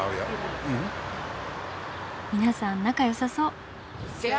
皆さん仲よさそう。